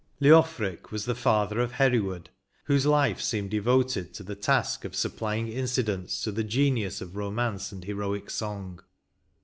... Leofric was the father of Hereward, whose life seemed devoted to the task of supplying incidents to the genius of romance and heroic song."